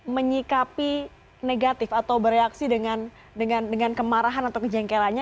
menyikapi negatif atau bereaksi dengan kemarahan atau kejengkelannya